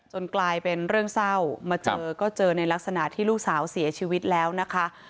กลายเป็นเรื่องเศร้ามาเจอก็เจอในลักษณะที่ลูกสาวเสียชีวิตแล้วนะคะ